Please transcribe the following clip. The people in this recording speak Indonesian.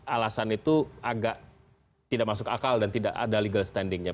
alasan itu agak tidak masuk akal dan tidak ada legal standingnya